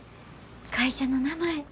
会社の名前